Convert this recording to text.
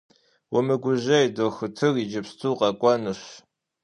Умыгужьэй, дохутыр иджыпсту къэкӏуэнущ.